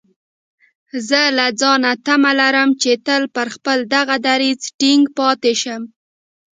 زه له ځانه تمه لرم چې تل پر خپل دغه دريځ ټينګ پاتې شم.